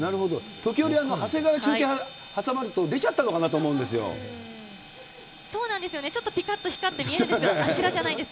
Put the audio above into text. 時折、長谷川、中継挟まると、そうなんですよね、ちょっとぴかっと光って見えてますが、あちらじゃないんです。